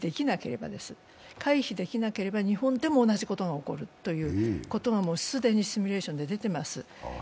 回避できなければ日本でも同じことが起こるということが既にシミュレーションで出ています。